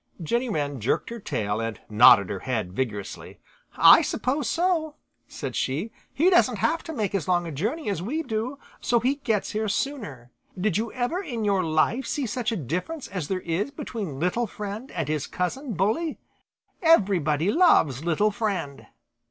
Jenny Wren jerked her tail and nodded her head vigorously. "I suppose so," said she. "He doesn't have to make as long a journey as we do, so he gets here sooner. Did you ever in your life see such a difference as there is between Little Friend and his cousin, Bully? Everybody loves Little Friend."